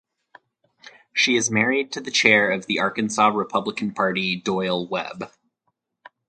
She is married to the Chair of the Arkansas Republican Party Doyle Webb.